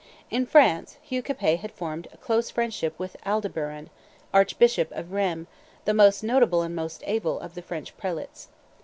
In France, Hugh Capet had formed a close friendship with Adalberon, archbishop of Rheims, the most notable and most able of the French prelates.